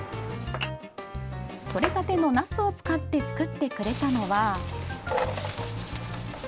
とれたてのナスを使って作ってくれたのは。